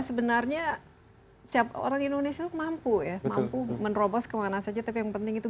sebenarnya orang indonesia mampu ya mampu menerobos kemana saja tapi yang penting itu